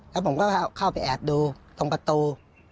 แล้วผมก็เข้าไปแอบดูตรงประตู